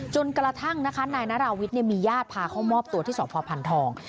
จนกระทั่งนาราวิชมีญาติพาเขามอบตัวที่ศพพภัณฑ์ทอง